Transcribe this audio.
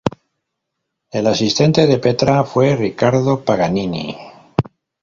El asistente de Petra fue Ricardo Paganini.